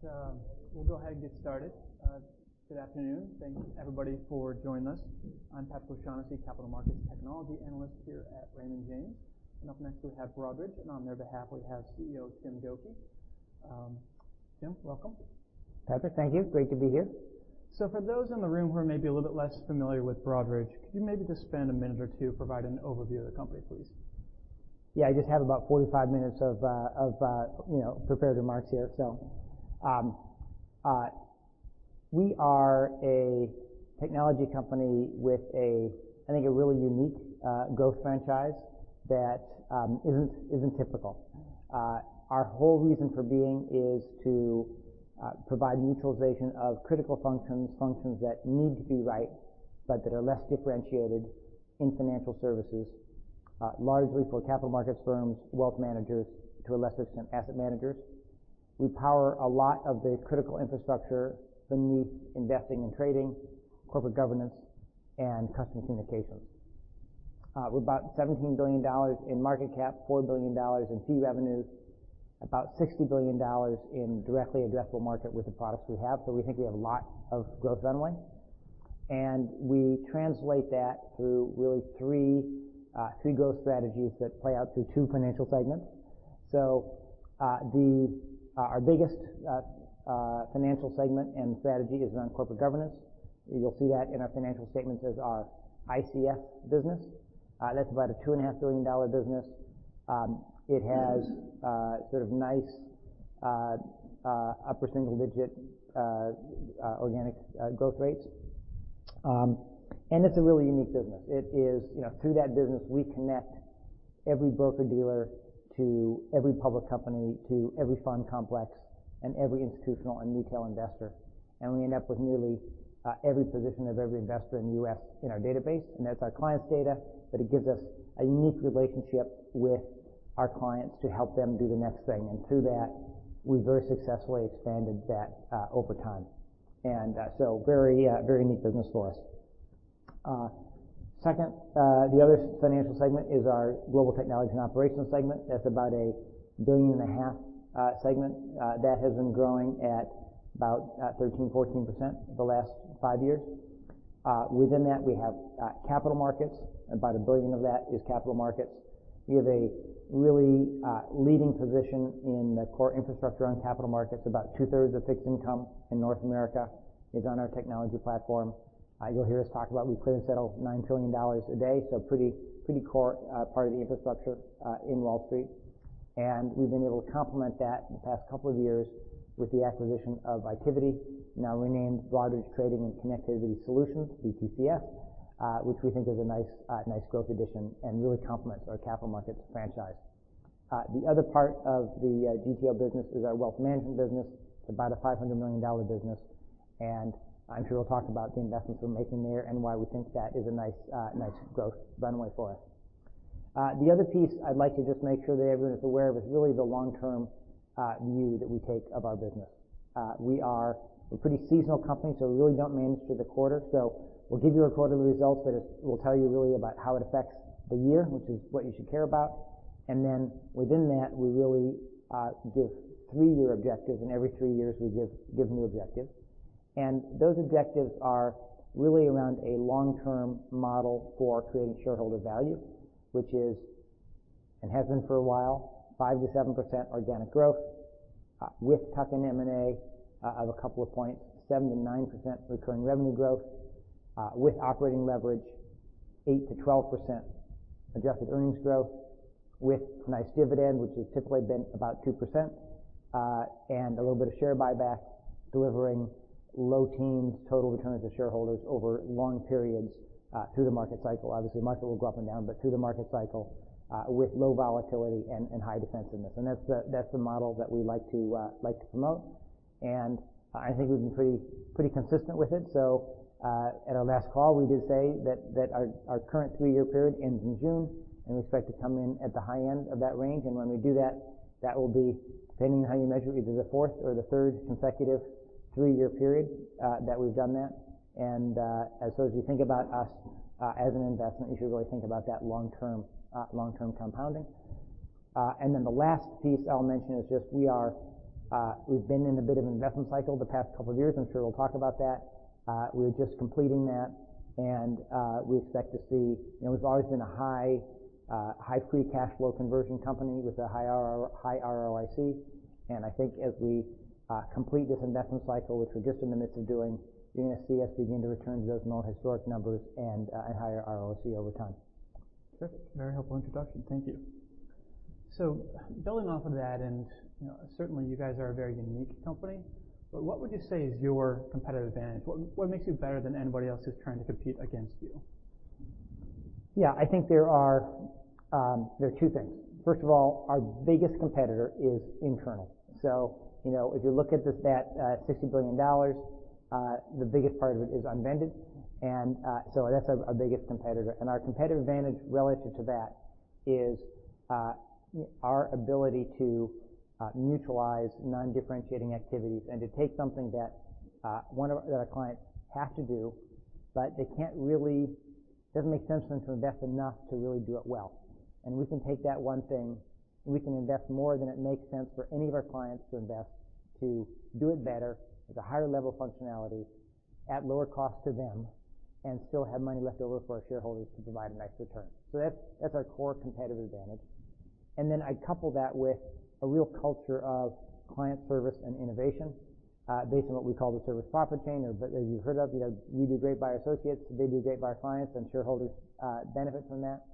All right. we'll go ahead and get started. good afternoon. Thank you, everybody, for joining us. I'm Patrick O'Shaughnessy, Capital Markets Technology Analyst here at Raymond James. Up next, we have Broadridge, and on their behalf, we have CEO Tim Gokey. Tim, welcome. Patrick, thank you. Great to be here. For those in the room who are maybe a little bit less familiar with Broadridge, could you maybe just spend a minute or two providing an overview of the company, please? Yeah. I just have about 45 minutes of, you know, prepared remarks here. We are a technology company with a, I think, a really unique growth franchise that isn't typical. Our whole reason for being is to provide mutualization of critical functions that need to be right but that are less differentiated in financial services, largely for capital markets firms, wealth managers, to a lesser extent, asset managers. We power a lot of the critical infrastructure beneath investing and trading, corporate governance, and customer communications. We're about $17 billion in market cap, $4 billion in fee revenue, about $60 billion in directly addressable market with the products we have. We think we have a lot of growth runway. We translate that through really three growth strategies that play out through two financial segments. Our biggest financial segment and strategy is around corporate governance. You'll see that in our financial statements as our ICS business. That's about a two and a half billion dollar business. It has sort of nice upper single-digit organic growth rates. It's a really unique business. You know, through that business, we connect every broker-dealer to every public company, to every fund complex, and every institutional and retail investor, and we end up with nearly every position of every investor in the U.S. in our database. That's our clients' data, but it gives us a unique relationship with our clients to help them do the next thing. Through that, we've very successfully expanded that over time. Very unique business for us. Second, the other financial segment is our Global Technology and Operations segment. That's about a $1.5 billion segment that has been growing at about 13%-14% the last five years. Within that, we have capital markets. About $1 billion of that is capital markets. We have a really leading position in the core infrastructure on capital markets. About two-thirds of fixed income in North America is on our technology platform. You'll hear us talk about we clear and settle $9 trillion a day, pretty core part of the infrastructure in Wall Street. We've been able to complement that in the past couple of years with the acquisition of Itiviti, now renamed Broadridge Trading and Connectivity Solutions, BTCS, which we think is a nice growth addition and really complements our capital markets franchise. The other part of the GTO business is our wealth management business. It's about a $500 million business, and I'm sure we'll talk about the investments we're making there and why we think that is a nice growth runway for us. The other piece I'd like to just make sure that everyone is aware of is really the long-term view that we take of our business. We are a pretty seasonal company, so we really don't manage through the quarter. We'll give you our quarterly results that will tell you really about how it affects the year, which is what you should care about. Then within that, we really give three-year objectives, and every three years, we give new objectives. Those objectives are really around a long-term model for creating shareholder value, which is, and has been for a while, 5%-7% organic growth, with tuck-in M&A, of a couple of points, 7%-9% recurring revenue growth, with operating leverage, 8%-12% adjusted earnings growth with nice dividend, which has typically been about 2%, and a little bit of share buyback, delivering low teens total returns to shareholders over long periods, through the market cycle. Obviously, market will go up and down, but through the market cycle, with low volatility and high defensiveness. That's the model that we like to, like to promote. I think we've been pretty consistent with it. At our last call, we did say that our current three-year period ends in June, and we expect to come in at the high end of that range. When we do that will be, depending on how you measure, either the fourth or the third consecutive three-year period, that we've done that. As you think about us, as an investment, you should really think about that long-term, long-term compounding. The last piece I'll mention is just we are, we've been in a bit of an investment cycle the past couple of years. I'm sure we'll talk about that. We're just completing that, we expect to see. You know, we've always been a high, high free cash flow conversion company with a high ROIC. I think as we complete this investment cycle, which we're just in the midst of doing, you're going to see us begin to return to those more historic numbers and higher ROIC over time. Sure. Very helpful introduction. Thank you. Building off of that, and, you know, certainly you guys are a very unique company, but what would you say is your competitive advantage? What makes you better than anybody else who's trying to compete against you? Yeah. I think there are two things. First of all, our biggest competitor is internal. You know, if you look at the stat, $60 billion, the biggest part of it is unbundled. That's our biggest competitor. Our competitive advantage relative to that is our ability to neutralize non-differentiating activities and to take something that our clients have to do. Doesn't make sense for them to invest enough to really do it well. We can take that one thing, and we can invest more than it makes sense for any of our clients to invest to do it better with a higher level of functionality at lower cost to them and still have money left over for our shareholders to provide a nice return. That's our core competitive advantage. Then I couple that with a real culture of client service and innovation, based on what we call the service-profit chain or but as you've heard of, you know, we do great by our associates, they do great by our clients, and shareholders benefit from that.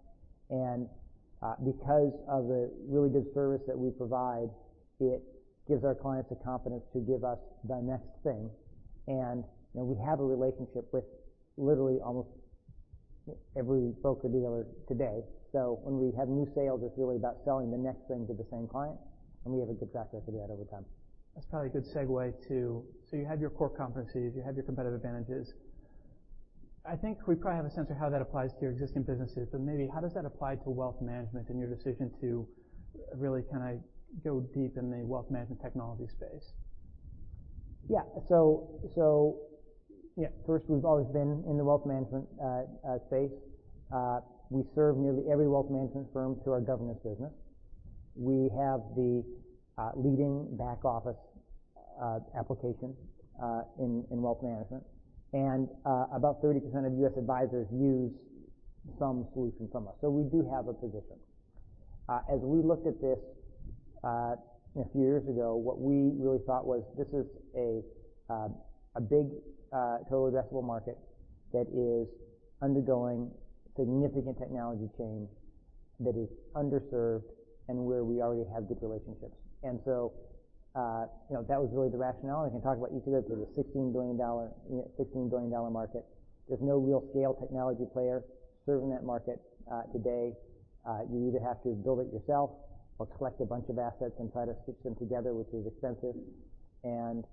Because of the really good service that we provide, it gives our clients the confidence to give us the next thing. You know, we have a relationship with literally almost every broker-dealer today. When we have new sales, it's really about selling the next thing to the same client, and we have a good track record of that over time. That's probably a good segue to. You have your core competencies, you have your competitive advantages. I think we probably have a sense of how that applies to your existing businesses, but maybe how does that apply to wealth management and your decision to really kind of go deep in the wealth management technology space? Yeah. Yeah, first, we've always been in the wealth management space. We serve nearly every wealth management firm through our governance business. We have the leading back-office application in wealth management. About 30% of U.S. advisors use some solution from us. We do have a position. As we looked at this, you know, a few years ago, what we really thought was this is a big total addressable market that is undergoing significant technology change that is underserved and where we already have good relationships. You know, that was really the rationale. I can talk about Appatura. It's a $16 billion, you know, $16 billion market. There's no real scale technology player serving that market today. You either have to build it yourself or collect a bunch of assets and try to stitch them together, which is expensive. You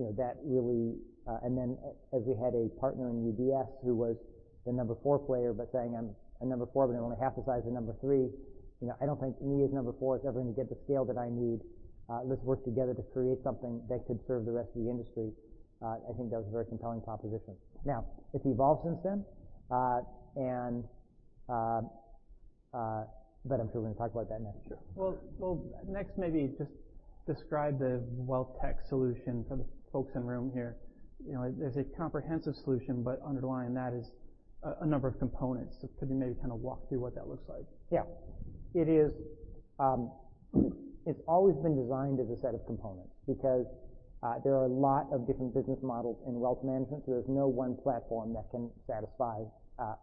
know, then as we had a partner in UBS who was the number four player, but saying, "I'm a number four, but I'm only half the size of number three. You know, I don't think me as number four is ever going to get the scale that I need. Let's work together to create something that could serve the rest of the industry." I think that was a very compelling proposition. Now, it's evolved since then. I'm sure we're gonna talk about that next. Sure. Well, next, maybe just describe the wealth tech solution for the folks in the room here. You know, there's a comprehensive solution, but underlying that is a number of components. Could you maybe kind of walk through what that looks like? Yeah. It is, it's always been designed as a set of components because there are a lot of different business models in wealth management. There's no one platform that can satisfy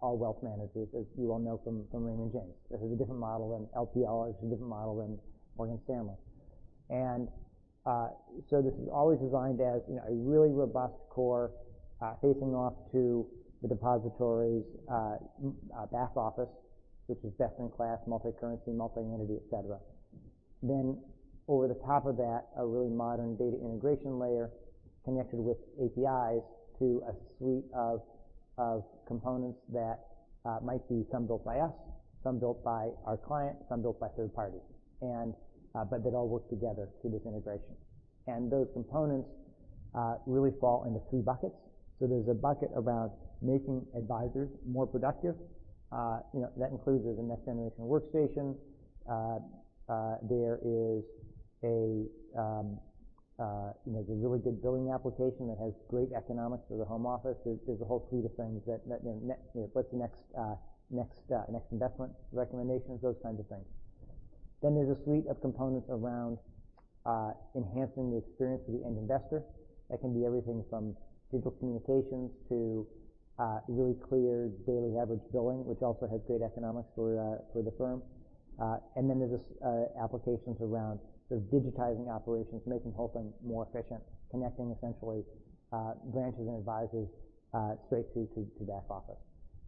all wealth managers, as you all know from Raymond James. This is a different model than LPL. It's a different model than Morgan Stanley. This is always designed as, you know, a really robust core facing off to the depository's back office, which is best in class, multi-currency, multi-entity, et cetera. Over the top of that, a really modern data integration layer connected with APIs to a suite of components that might be some built by us, some built by our client, some built by third party. They'd all work together through this integration. Those components really fall into two buckets. There's a bucket around making advisors more productive. You know, that includes there's a next-generation workstation. There is a, you know, there's a really good billing application that has great economics for the home office. There's a whole suite of things that, you know, what's the next investment recommendations, those kinds of things. There's a suite of components around enhancing the experience for the end investor. That can be everything from digital communications to really clear daily average billing, which also has great economics for the firm. There's this applications around sort of digitizing operations, making the whole thing more efficient, connecting essentially branches and advisors straight to back office.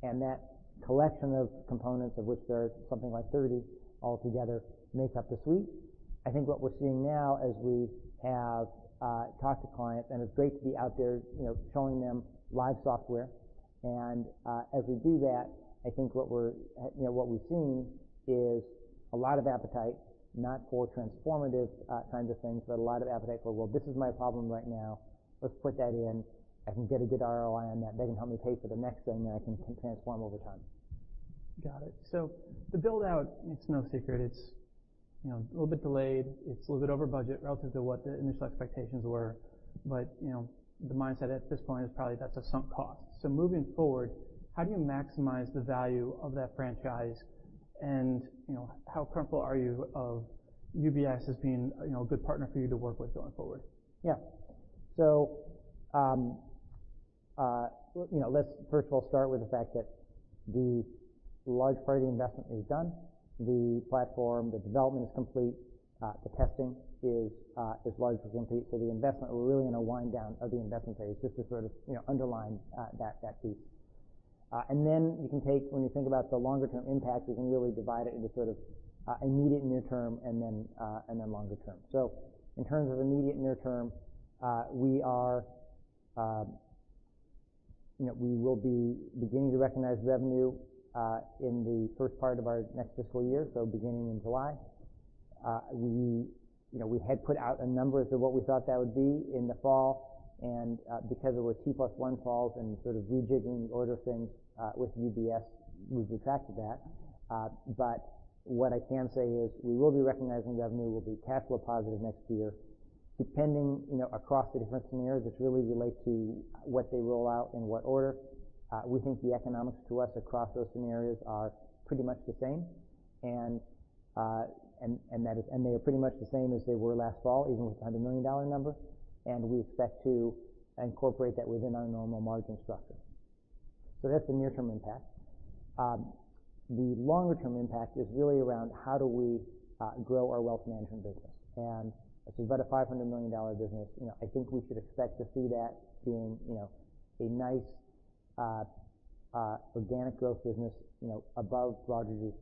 That collection of components, of which there are something like 30 altogether, makes up the suite. I think what we're seeing now as we have talked to clients, and it's great to be out there, you know, showing them live software. As we do that, I think what we're, you know, what we've seen is a lot of appetite, not for transformative kinds of things, but a lot of appetite for, "Well, this is my problem right now. Let's put that in. I can get a good ROI on that. That can help me pay for the next thing, then I can transform over time. Got it. The build-out, it's no secret, it's, you know, a little bit delayed. It's a little bit over budget relative to what the initial expectations were. You know, the mindset at this point is probably that's a sunk cost. Moving forward, how do you maximize the value of that franchise? You know, how comfortable are you of UBS as being, you know, a good partner for you to work with going forward? Yeah. You know, let's first of all start with the fact that the large part of the investment is done. The platform, the development is complete. The testing is largely complete. The investment, we're really in a wind down of the investment phase, just to sort of, you know, underline that piece. When you think about the longer term impact, you can really divide it into sort of immediate near term and then longer term. In terms of immediate near term, we are, you know, we will be beginning to recognize revenue in the first part of our next fiscal year, so beginning in July. We, you know, we had put out a number as to what we thought that would be in the fall, because there were two plus one falls and sort of rejigging the order of things with UBS, we've retracted that. What I can say is we will be recognizing revenue. We'll be capital positive next year, depending, you know, across the different scenarios, which really relates to what they roll out in what order. We think the economics to us across those scenarios are pretty much the same. They are pretty much the same as they were last fall, even with the $100 million number. We expect to incorporate that within our normal margin structure. That's the near-term impact. The longer-term impact is really around how do we grow our wealth management business. It's about a $500 million business. You know, I think we should expect to see that being, you know, a nice organic growth business, you know, above larger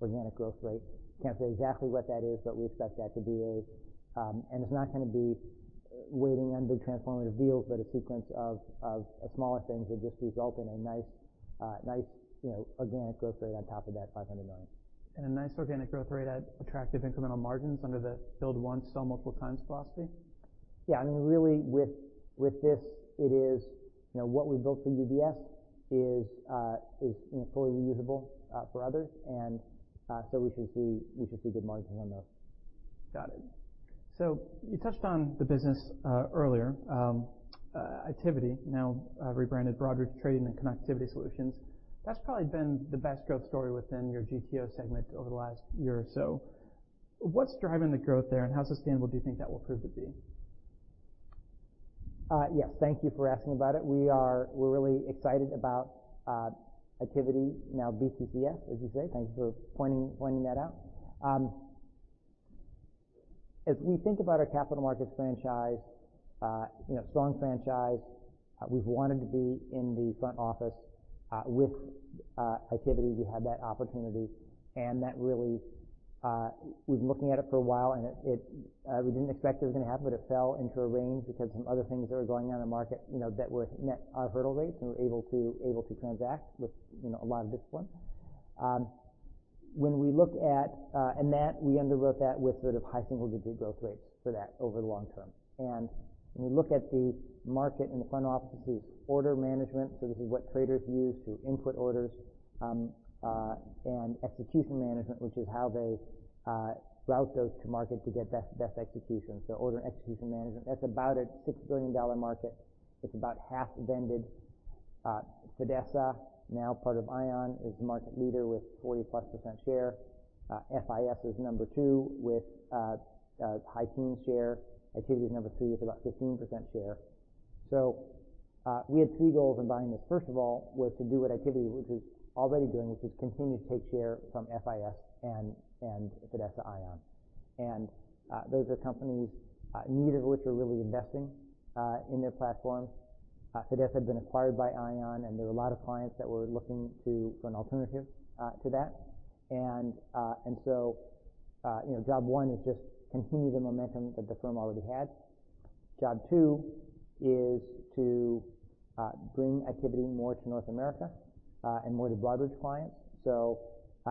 organic growth rate. Can't say exactly what that is, but we expect that to be a. It's not gonna be waiting on big transformative deals, but a sequence of smaller things that just result in a nice, you know, organic growth rate on top of that $500 million. A nice organic growth rate at attractive incremental margins under the build once, sell multiple times philosophy. Yeah. I mean, really, with this, it is, you know, what we built for UBS is fully reusable for others. We should see good margins on those. Got it. You touched on the business earlier, Itiviti now rebranded Broadridge Trading and Connectivity Solutions. That's probably been the best growth story within your GTO segment over the last year or so. What's driving the growth there, and how sustainable do you think that will prove to be? Yes. Thank you for asking about it. We're really excited about Itiviti now, BTCS, as you say. Thanks for pointing that out. As we think about our capital markets franchise, you know, strong franchise, we've wanted to be in the front office. With Itiviti, we had that opportunity, and that really, we've been looking at it for a while, and we didn't expect it was gonna happen, but it fell into a range because some other things that are going on in the market, you know, that were net our hurdle rates, and we're able to transact with, you know, a lot of discipline. That we underwrote that with sort of high single-digit growth rates for that over the long term. When we look at the market in the front office, this is order management. This is what traders use to input orders, and execution management, which is how they route those to market to get best execution. Order and execution management, that's about a $6 billion market. It's about half vended. Fidessa, now part of ION, is the market leader with 40%+ share. FIS is number two with high teen share. Itiviti is number three with about 15% share. We had three goals in buying this. First of all, was to do what Itiviti, which is already doing, which is continue to take share from FIS and Fidessa ION. Those are companies, neither of which are really investing in their platforms. Fidessa had been acquired by ION, and there were a lot of clients that were looking for an alternative to that. you know, job one is just continue the momentum that the firm already had. Job two is to bring activity more to North America and more to Broadridge clients.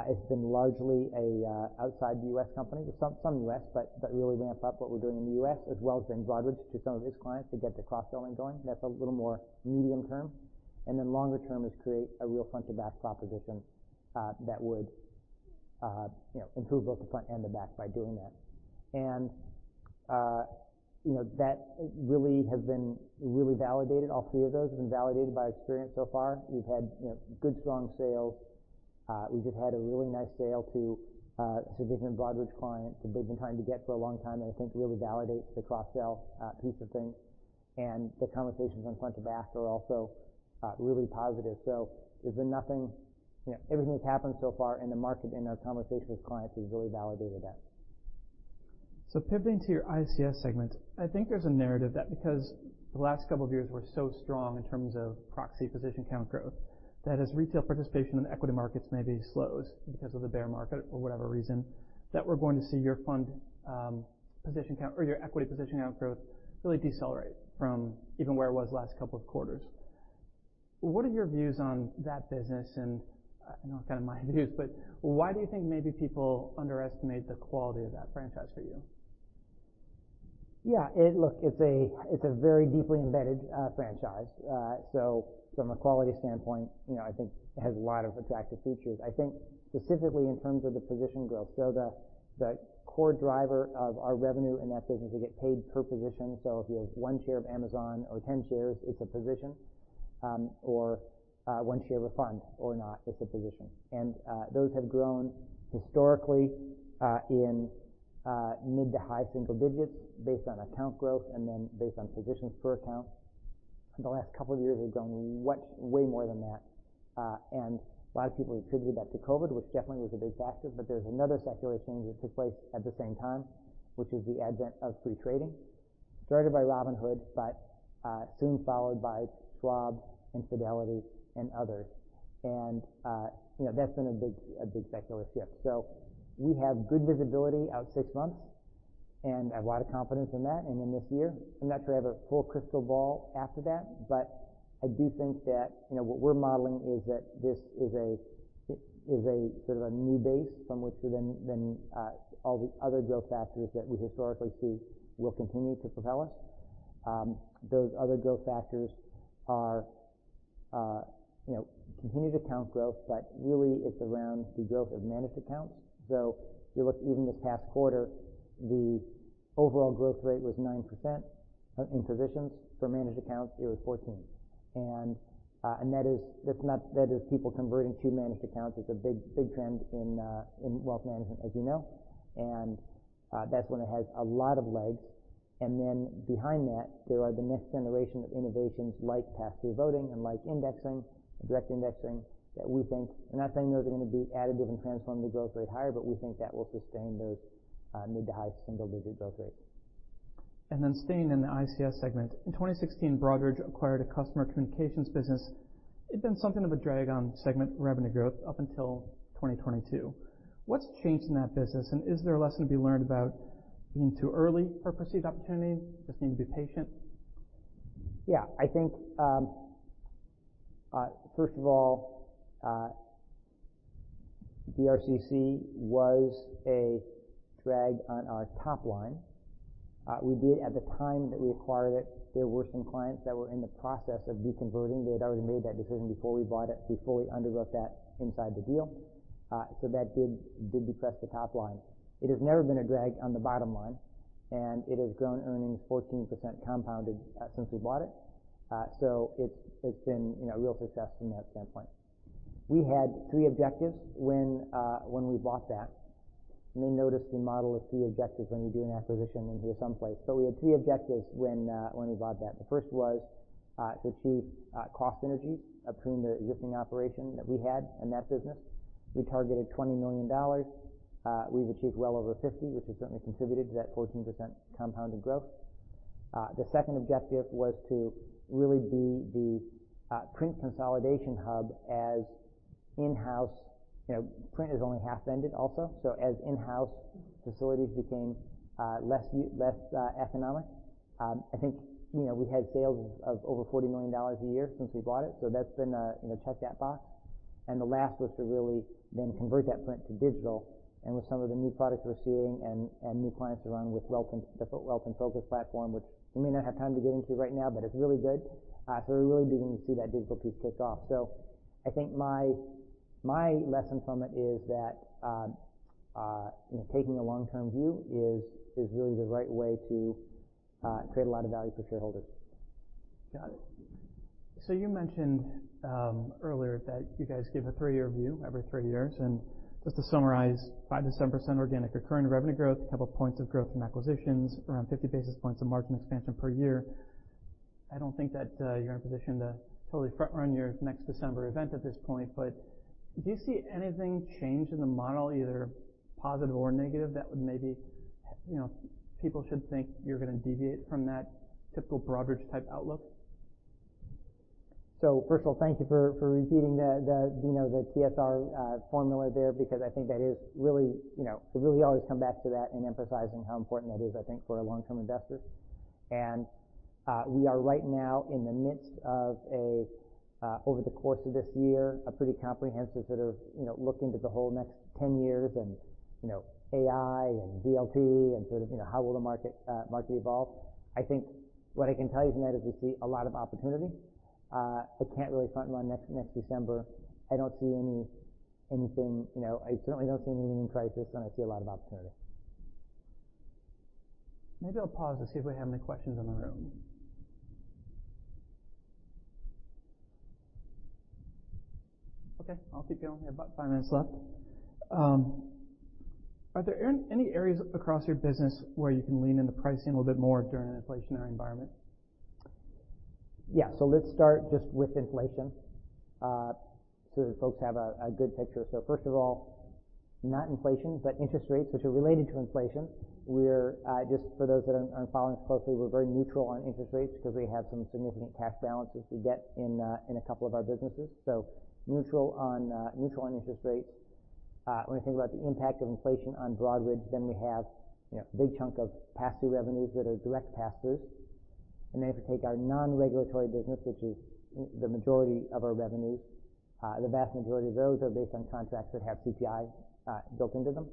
It's been largely a outside the U.S. company with some U.S., but really ramp up what we're doing in the U.S. as well as bring Broadridge to some of his clients to get the cross-selling going. That's a little more medium-term. Longer-term is create a real front to back proposition that would, you know, improve both the front and the back by doing that. you know, that really has been really validated. All three of those have been validated by experience so far. We've had, you know, good, strong sales. We just had a really nice sale to a significant Broadridge client that they've been trying to get for a long time, and I think really validates the cross-sell piece of things. The conversations on front to back are also really positive. There's been nothing, you know, everything that's happened so far in the market in our conversation with clients has really validated that. Pivoting to your ICS segment, I think there's a narrative that because the last couple of years were so strong in terms of proxy position count growth, that as retail participation in the equity markets maybe slows because of the bear market or whatever reason, that we're going to see your fund position count or your equity position count growth really decelerate from even where it was last couple of quarters. What are your views on that business? You know, kind of my views, but why do you think maybe people underestimate the quality of that franchise for you? Yeah. Look, it's a very deeply embedded franchise. From a quality standpoint, you know, I think it has a lot of attractive features. I think specifically in terms of the position growth. The core driver of our revenue in that business, we get paid per position. If you have one share of Amazon or 10 shares, it's a position. Or one share of a fund or not, it's a position. Those have grown historically in mid to high single digits based on account growth and then based on positions per account. The last couple of years, we've grown much way more than that. A lot of people attributed that to COVID, which definitely was a big factor. There's another secular change that took place at the same time, which is the advent of free trading. It's started by Robinhood, but soon followed by Charles Schwab and Fidelity and others. You know, that's been a big secular shift. We have good visibility out six months. I have a lot of confidence in that and in this year. I'm not sure I have a full crystal ball after that, but I do think that, you know, what we're modeling is that this is a, is a sort of a new base from which we then all the other growth factors that we historically see will continue to propel us. Those other growth factors are, you know, continued account growth, but really it's around the growth of managed accounts. If you look even this past quarter, the overall growth rate was 9% in positions. For managed accounts, it was 14. That is people converting to managed accounts. It's a big trend in wealth management, as you know. That's one that has a lot of legs. Behind that, there are the next generation of innovations like pass-through voting and like indexing, direct indexing, that we think. We're not saying those are gonna be additive and transform the growth rate higher, but we think that will sustain those mid-to-high single-digit growth rates. Staying in the ICS segment. In 2016, Broadridge acquired a customer communications business. It's been something of a drag on segment revenue growth up until 2022. What's changed in that business, and is there a lesson to be learned about being too early for a perceived opportunity, just need to be patient? I think, first of all, BRCC was a drag on our top line. We did at the time that we acquired it, there were some clients that were in the process of deconverting. They had already made that decision before we bought it. We fully underwrote that inside the deal. That did depress the top line. It has never been a drag on the bottom line, and it has grown earnings 14% compounded since we bought it. It's been, you know, a real success from that standpoint. We had three objectives when we bought that. You may notice the model of three objectives when we do an acquisition in here someplace. We had three objectives when we bought that. The first was to achieve cost synergies between the existing operation that we had and that business. We targeted $20 million. We've achieved well over 50, which has certainly contributed to that 14% compounded growth. The second objective was to really be the print consolidation hub as in-house. You know, print is only half ended also. As in-house facilities became less economic, I think, you know, we've had sales of over $40 million a year since we bought it. That's been, you know, check that box. The last was to really then convert that print to digital. With some of the new products we're seeing and new clients around with the Wealth InFocus platform, which we may not have time to get into right now, but it's really good. We really do need to see that digital piece kick off. I think my lesson from it is that, you know, taking a long-term view is really the right way to create a lot of value for shareholders. Got it. You mentioned earlier that you guys give a three-year view every three years. Just to summarize, 5%-7% organic recurring revenue growth, couple points of growth from acquisitions, around 50 basis points of margin expansion per year. I don't think that you're in a position to totally front run your next December event at this point, but do you see anything change in the model, either positive or negative, that would maybe, you know, people should think you're gonna deviate from that typical Broadridge type outlook? First of all, thank you for repeating the, you know, the TSR formula there, because I think that is really, you know, we really always come back to that and emphasizing how important that is, I think, for a long-term investor. We are right now in the midst of a over the course of this year, a pretty comprehensive sort of, you know, look into the whole next 10 years and, you know, AI and DLT and sort of, you know, how will the market evolve. I think what I can tell you from that is we see a lot of opportunity. I can't really front run next December. I don't see anything, you know. I certainly don't see anything in crisis, and I see a lot of opportunity. Maybe I'll pause to see if we have any questions in the room. Okay. I'll keep going here. About five minutes left. Are there any areas across your business where you can lean into pricing a little bit more during an inflationary environment? Let's start just with inflation so that folks have a good picture. First of all, not inflation, but interest rates, which are related to inflation. We're just for those that aren't following us closely, we're very neutral on interest rates because we have some significant cash balances we get in a couple of our businesses. Neutral on neutral on interest rates. When we think about the impact of inflation on Broadridge, we have, you know, a big chunk of pass-through revenues that are direct pass-throughs. If you take our non-regulatory business, which is the majority of our revenues, the vast majority of those are based on contracts that have CPI built into them.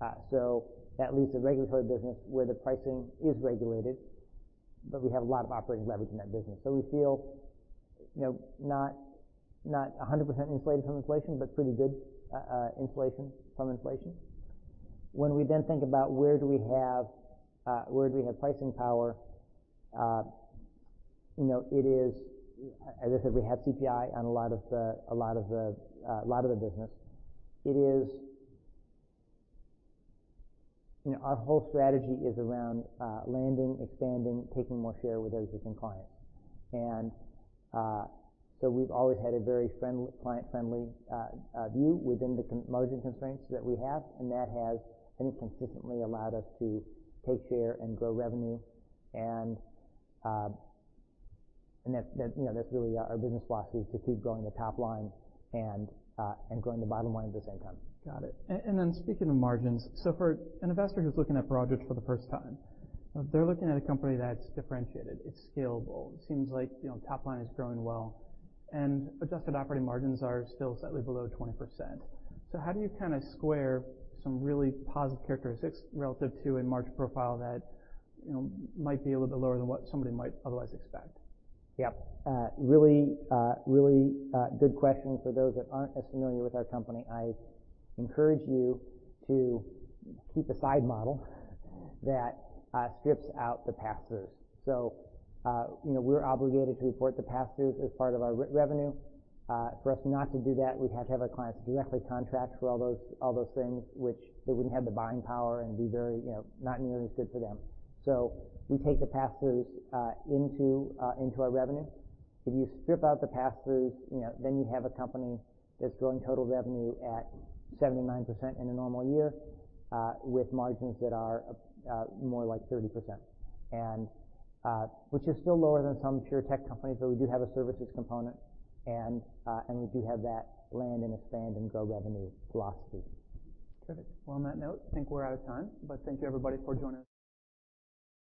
That leaves the regulatory business where the pricing is regulated, but we have a lot of operating leverage in that business. We feel, you know, not 100% insulated from inflation, but pretty good from inflation. When we think about where do we have pricing power, you know, it is. As I said, we have CPI on a lot of the business. You know, our whole strategy is around landing, expanding, taking more share with those different clients. We've always had a very client-friendly view within the margin constraints that we have, and that has, I think, consistently allowed us to take share and grow revenue. That, you know, that's really our business philosophy is to keep growing the top line and growing the bottom line at the same time. Got it. Speaking of margins, for an investor who's looking at Broadridge for the first time, they're looking at a company that's differentiated, it's scalable. It seems like, you know, top line is growing well, and adjusted operating margins are still slightly below 20%. How do you kind of square some really positive characteristics relative to a margin profile that, you know, might be a little bit lower than what somebody might otherwise expect? Yeah. really, really good question for those that aren't as familiar with our company. I encourage you to keep a side model that strips out the pass-throughs. you know, we're obligated to report the pass-throughs as part of our revenue. For us not to do that, we'd have to have our clients directly contract for all those things which they wouldn't have the buying power and be very, you know, not nearly as good for them. We take the pass-throughs into our revenue. If you strip out the pass-throughs, you know, then you have a company that's growing total revenue at 79% in a normal year, with margins that are more like 30%. Which is still lower than some pure tech companies, though we do have a services component, and we do have that land and expand and grow revenue philosophy. Terrific. Well, on that note, I think we're out of time. Thank you everybody for joining us.